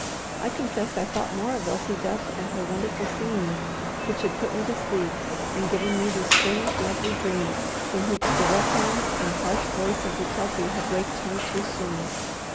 I confess I thought more of Elsie Duff and her wonderful singing, which had put me to sleep, and given me the strange lovely dream from which the rough hands and harsh voice of the Kelpie had waked me too soon.